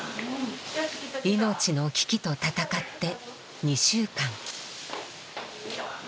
命の危機と闘って２週間。